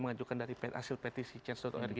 mengajukan dari hasil petisi chance org